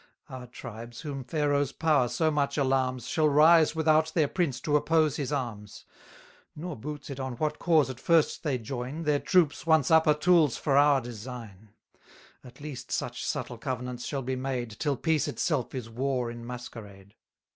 Our tribes, whom Pharaoh's power so much alarms, Shall rise without their prince to oppose his arms; Nor boots it on what cause at first they join, Their troops, once up, are tools for our design. At least such subtle covenants shall be made, Till peace itself is war in masquerade.